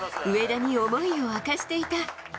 上田に思いを明かしていた。